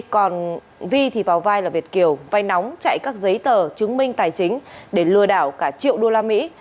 còn vi thì vào vai là việt kiều vay nóng chạy các giấy tờ chứng minh tài chính để lừa đảo cả triệu đô la mỹ